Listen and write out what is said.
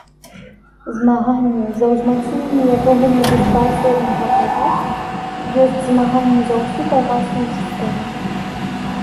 Змаганне за ўзмацненне якога-небудзь паасобнага калгаса ёсць змаганне за ўсю калгасную сістэму.